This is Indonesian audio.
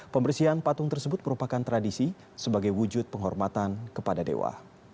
pembersihan patung tersebut merupakan tradisi sebagai wujud penghormatan kepada dewa